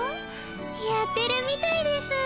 やってるみたいです。